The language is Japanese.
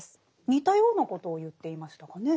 似たようなことを言っていましたかね。